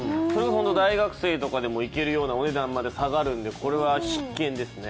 大学生とかでも行けるようなお値段まで下がるんで、これは必見ですね。